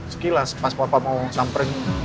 sekilas pas papa mau sampling